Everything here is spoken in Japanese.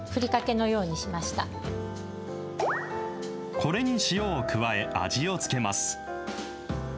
これに塩を加え、味をつけます。